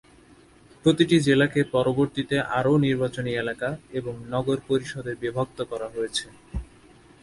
প্রতিটি জেলাকে পরবর্তীতে আরও নির্বাচনী এলাকা এবং নগর পরিষদে বিভক্ত করা হয়েছে।